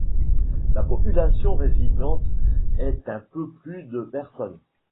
La population résidante est un peu plus de personnes.